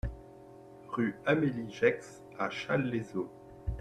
Rue Amélie Gex à Challes-les-Eaux